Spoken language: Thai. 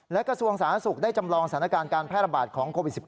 และกระทรวงสาธารณสุขได้จำลองสถานการณ์การแพร่ระบาดของโควิด๑๙